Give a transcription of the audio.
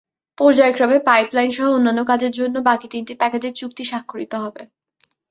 পর্যায়ক্রমে পাইপলাইনসহ অন্যান্য কাজের জন্য বাকি তিনটি প্যাকেজের চুক্তি স্বাক্ষরিত হবে।